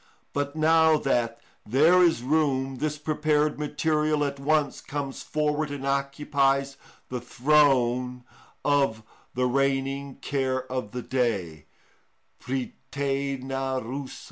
But now that there is room, this prepared material at once comes forward and occupies the throne of the reigning care of the day (πρυτανευουσα).